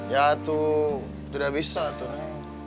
ya tuh udah bisa tuh neng